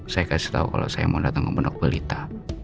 saya kasih tau kalo saya mau datang ke pendok belita